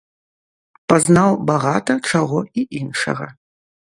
Пазнаў багата чаго і іншага.